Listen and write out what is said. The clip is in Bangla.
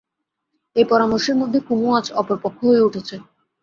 এই পরামর্শের মধ্যে কুমু আজ অপর পক্ষ হয়ে উঠেছে।